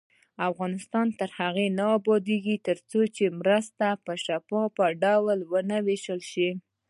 افغانستان تر هغو نه ابادیږي، ترڅو مرستې په شفاف ډول ونه ویشل شي.